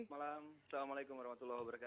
malam assalamualaikum wr wb